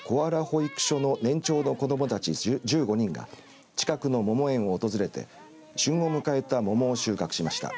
保育所の年長の子どもたち１５人が近くの桃園を訪れて旬を迎えた桃を収穫しました。